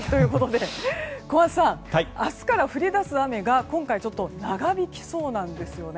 小松さん明日から降り出す雨が今回、長引きそうなんです。